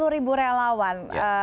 sepuluh ribu relawan